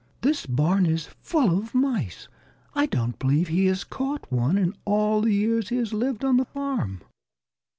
"This barn is full of mice! I don't believe he has caught one in all the years he has lived on the farm."